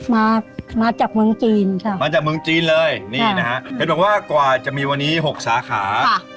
มามาจากเมืองจีนค่ะมาจากเมืองจีนเลยนี่นะฮะเห็นบอกว่ากว่าจะมีวันนี้หกสาขา